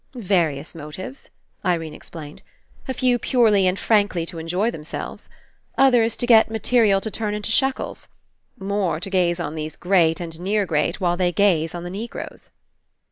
"Various motives," Irene explained. "A few purely and frankly to enjoy themselves. Others to get material to turn into shekels. More, to gaze on these great and near great while they gaze on the Negroes."